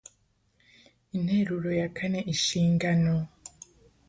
interuro ya kane inshingano